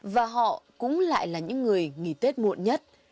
và họ cũng lại là những người nghỉ tết muộn nhất